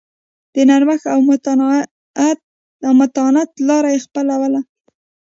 د نرمښت او متانت لار یې خپلوله.